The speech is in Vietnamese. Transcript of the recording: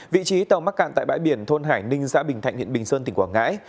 vị trí tàu mắc cạn tại bãi biển thôn hải ninh xã bình thạnh huyện bình sơn tỉnh quảng ngãi